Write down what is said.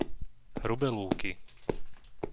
Hrubé lúky